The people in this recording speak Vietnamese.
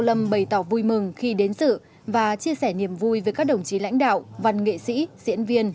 lâm bày tỏ vui mừng khi đến sự và chia sẻ niềm vui với các đồng chí lãnh đạo văn nghệ sĩ diễn viên